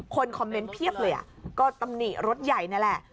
คอมเมนต์เพียบเลยก็ตำหนิรถใหญ่นั่นแหละ